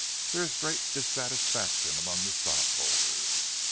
There is great dissatisfaction among the stock holders.